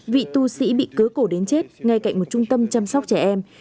vị tu sĩ bị cớ cổ đến chết ngay cạnh một trung tâm chăm sóc trẻ em